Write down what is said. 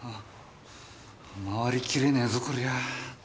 回りきれねぇぞこりゃ。